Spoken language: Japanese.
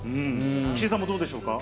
岸井さんもどうでしょうか。